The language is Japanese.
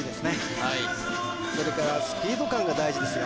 はいそれからスピード感が大事ですよ